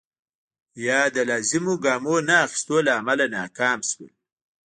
یا د لازمو ګامونو نه اخیستو له امله ناکام شول.